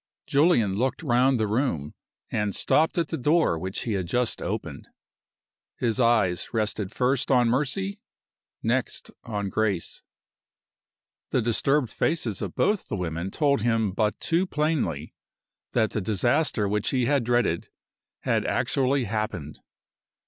JULIAN looked round the room, and stopped at the door which he had just opened. His eyes rested first on Mercy, next on Grace. The disturbed faces of both the women told him but too plainly that the disaster which he had dreaded had actually happened.